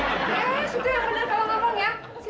eh itu yang bener kalau ngomong ya